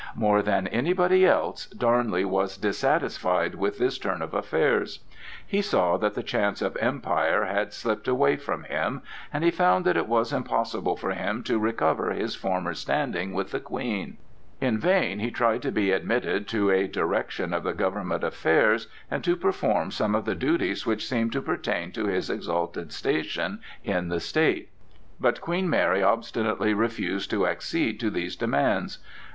More than anybody else Darnley was dissatisfied with this turn of affairs. He saw that the chance of empire had slipped away from him, and he found that it was impossible for him to recover his former standing with the Queen. In vain he tried to be admitted to a direction of the government affairs and to perform some of the duties which seemed to pertain to his exalted station in the state; but Queen Mary obstinately refused to accede to these demands.